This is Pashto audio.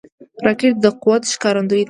راکټ د قوت ښکارندوی ده